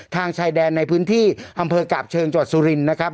ทางชายแดนในพื้นที่อำเภอกราบเชิงจสุรินนะครับ